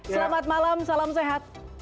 selamat malam salam sehat